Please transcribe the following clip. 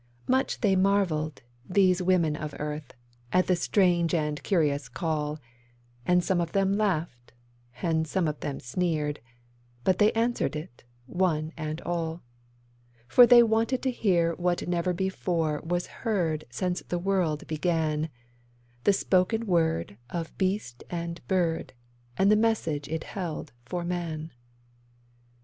Much they marvelled, these women of earth, at the strange and curious call, And some of them laughed, and some of them sneered, but they answered it one and all, For they wanted to hear what never before was heard since the world began— The spoken word of Beast and Bird, and the message it held for Man.